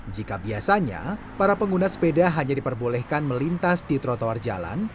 jika biasanya para pengguna sepeda hanya diperbolehkan melintas di trotoar jalan